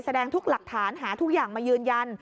แสดงทุกหลักฐานหาทุกอย่างมายืนยัน